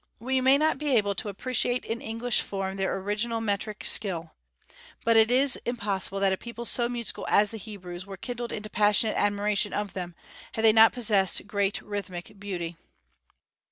We may not be able to appreciate in English form their original metrical skill; but it is impossible that a people so musical as the Hebrews were kindled into passionate admiration of them, had they not possessed great rhythmic beauty.